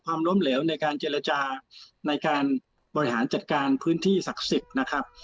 ล้มเหลวในการเจรจาในการบริหารจัดการพื้นที่ศักดิ์สิทธิ์นะครับ